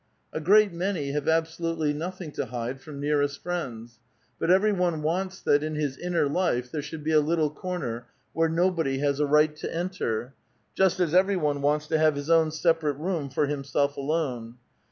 A great man}' have absolutely nothing to hide from nearest friends ; but every one wants that, in his inner life, there should be a little corner where nobody has a right to enter, just as every one wants to have his own separate room for himself alone.